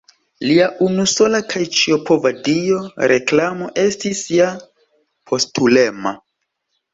Lia unusola kaj ĉiopova dio, Reklamo, estis ja postulema.